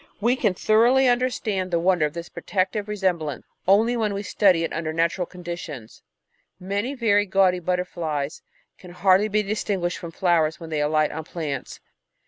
We can thoroughly understand Natural History 505 the wonder of this protective resemblance only when we study it under natural conditions ; many very gaudy butterflies can hardly be distinguished from flowers when they alight on plants.